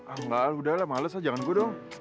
enggak udah lah males lah jangan gue dong